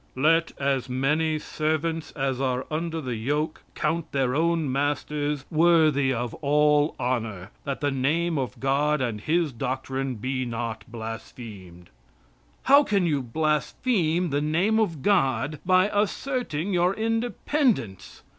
"Let as many servants as are under the yoke count their own masters worthy of all honor, that the name of God and His doctrine be not blasphemed." How can you blaspheme the name of God by asserting your independence?